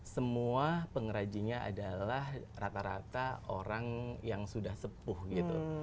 semua pengrajinnya adalah rata rata orang yang sudah sepuh gitu